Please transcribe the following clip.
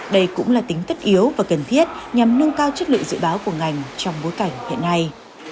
đây cũng là tính tất yếu và cần thiết nhằm nâng cao chất lượng dự báo của ngành trong bối cảnh hiện nay